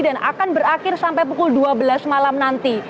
dan akan berakhir sampai pukul dua belas malam nanti